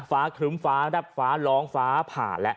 ครึ้มฟ้าครับฟ้าร้องฟ้าผ่าแล้ว